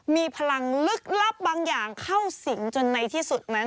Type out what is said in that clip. มีพลังลึกลับบางอย่างเข้าสิงจนในที่สุดนั้น